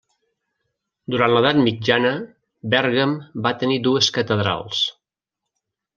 Durant l'edat mitjana, Bèrgam va tenir dues catedrals: